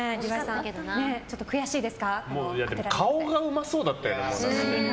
顔がうまそうだったよね。